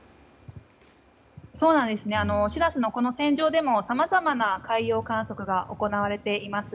「しらせ」の船上でもさまざまな海洋観測が行われています。